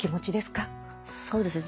そうですね。